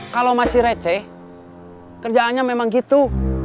kalau masih receh kerjaannya memang gitu